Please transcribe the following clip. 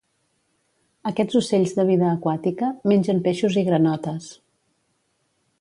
Aquests ocells de vida aquàtica, mengen peixos i granotes.